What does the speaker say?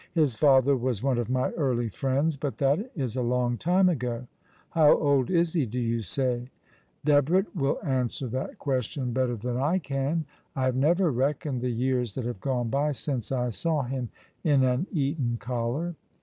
" His father was one of my early friends. But that is a long time ago.'* " How old is he, do you say ?"" Debrett will answer that question better than I can. I have nevor reckoned the years that have gone by since I saw him in an Eton collar."